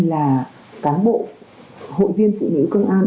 là cán bộ hội viên phụ nữ công an